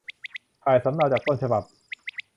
ถ่ายสำเนาจากต้นฉบับ